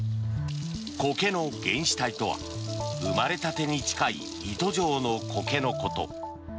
コケの原糸体とは生まれたてに近い糸状のコケのこと。